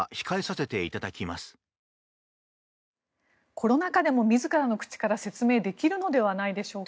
コロナ禍でも自らの口から説明できるのではないでしょうか。